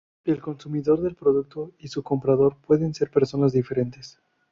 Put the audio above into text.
El consumidor del producto y su comprador pueden ser personas diferentes.